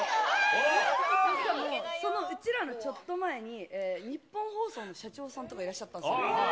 うちらのちょっと前に、ニッポン放送の社長さんとかいらっしゃったんですよ。